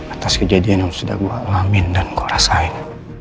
atas kejadian yang sudah gue alamin dan kau rasain